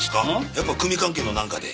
やっぱ組関係のなんかで？